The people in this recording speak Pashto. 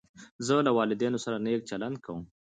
زه له والدینو سره نېک چلند کوم.